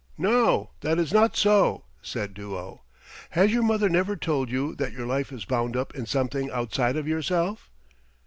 "No, that is not so," said Duo. "Has your mother never told you that your life is bound up in something outside of yourself?"